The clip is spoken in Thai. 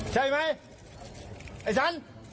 ใช่ไหมไอ้ฉัน